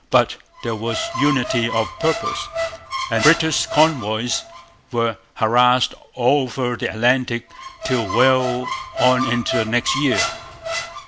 But there was unity of purpose; and British convoys were harassed all over the Atlantic till well on into the next year.